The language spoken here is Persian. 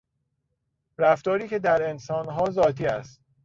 رفتاری که در انسانها ذاتی است